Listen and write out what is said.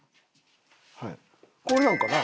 これなんかな。